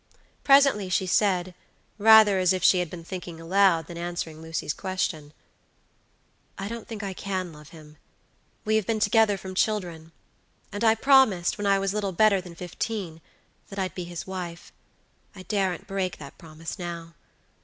Presently she said, rather as if she had been thinking aloud than answering Lucy's question: "I don't think I can love him. We have been together from children, and I promised, when I was little better than fifteen, that I'd be his wife. I daren't break that promise now.